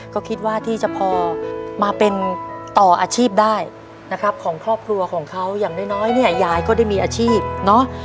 ก็คิดว่าที่จะพอมาเป็นต่ออาชีพได้นะครับของครอบครัวของเขาอย่างน้อยเนี่ยยายก็ได้มีอาชีพเนอะ